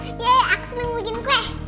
iya aku senang bikin kue